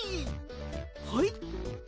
はい。